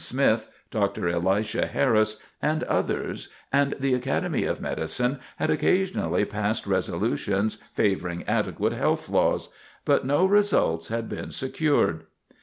Smith, Dr. Elisha Harris, and others, and the Academy of Medicine had occasionally passed resolutions favoring adequate health laws; but no results had been secured.